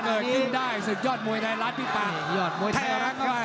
กิ้นได้สุดยอดมวยไทยรัฐพี่ปากแทงเข้าไป